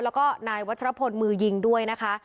แล้วก็นายวัชรพลมือยิงด้วยนะคะ